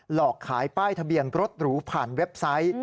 หลอกขายป้ายทะเบียนรถหรูผ่านเว็บไซต์